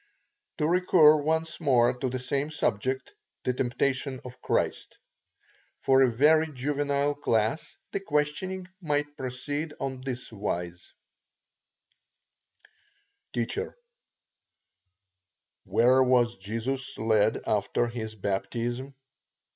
To recur once more to the same subject, the temptation of Christ. For a very juvenile class, the questioning might proceed on this wise: T. Where was Jesus led after his baptism?